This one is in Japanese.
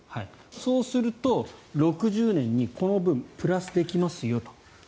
そうすると、６０年にこの分をプラスできますよと。